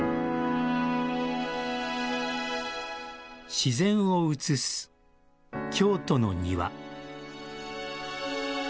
自然を映す、京都の庭。